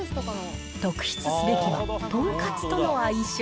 特筆すべきはとんかつとの相性。